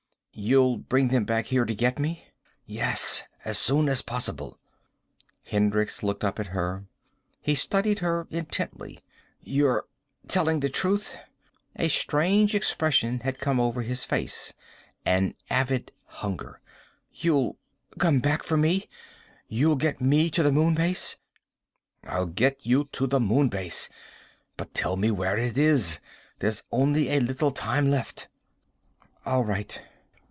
"You'll bring them back here to get me?" "Yes. As soon as possible." Hendricks looked up at her. He studied her intently. "You're telling the truth?" A strange expression had come over his face, an avid hunger. "You will come back for me? You'll get me to the Moon Base?" "I'll get you to the Moon Base. But tell me where it is! There's only a little time left." "All right."